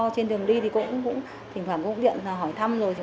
trên đường đi thì cũng thỉnh thoảng cũng điện hỏi thăm rồi